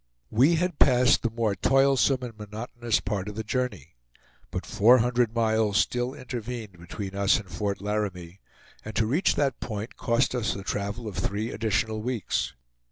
We had passed the more toilsome and monotonous part of the journey; but four hundred miles still intervened between us and Fort Laramie; and to reach that point cost us the travel of three additional weeks.